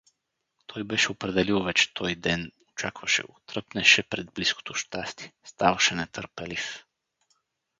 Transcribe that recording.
Той беше определил вече той ден, очакваше го, тръпнеше пред близкото щастие, ставаше нетърпелив.